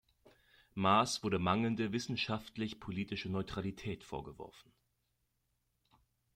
Maaß wurde mangelnde wissenschaftlich-politische Neutralität vorgeworfen.